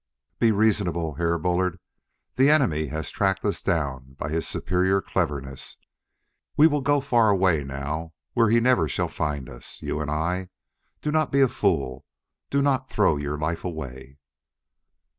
"Be reasonable, Herr Bullard. The enemy has tracked us down by his superior cleverness. We will go far away now where he never shall find us, you and I. Do not be a fool; do not throw your life away."